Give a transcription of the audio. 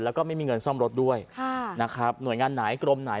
แล้วก็ไม่มีเงินซ่อมรถด้วยค่ะนะครับหน่วยงานไหนกรมไหน